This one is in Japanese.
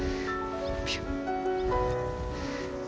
ピュッ。